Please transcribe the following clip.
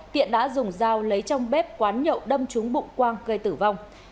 tiện đã dùng dao lấy trong bếp quán nhậu đâm trúng bụng quang gây tử vong